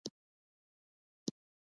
کیمیاوي سره حاصلات زیاتوي.